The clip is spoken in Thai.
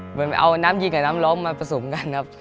เหมือนเอาน้ำยิงกับน้ำล้มมาผสมกันครับ